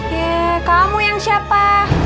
yee kamu yang siapa